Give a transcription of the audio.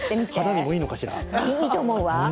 いいと思うわ。